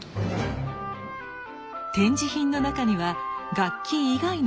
展示品の中には楽器以外のものも。